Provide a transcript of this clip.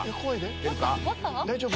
大丈夫？